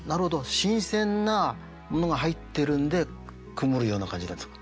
新鮮なものが入ってるんで曇るような感じなんですか？